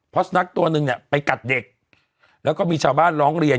เพราะสุนัขตัวหนึ่งเนี่ยไปกัดเด็กแล้วก็มีชาวบ้านร้องเรียน